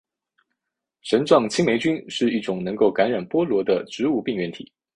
绳状青霉菌是一种能够感染菠萝的植物病原体。